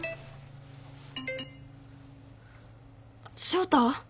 翔太？